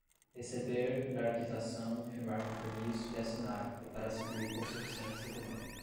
receber, dar quitação, firmar compromisso e assinar declaração de hipossuficiência econômica